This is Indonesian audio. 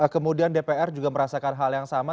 kemudian dpr juga merasakan hal yang sama